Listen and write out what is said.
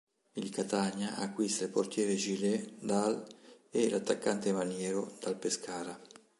Il Catania acquista il portiere Gillet dal e l’attaccante Maniero dal Pescara.